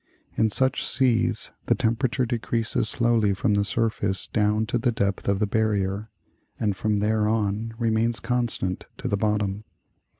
In such seas the temperature decreases slowly from the surface down to the depth of the barrier, and from there on remains constant to the bottom.